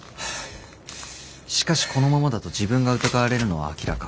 しかしこのままだと自分が疑われるのは明らか。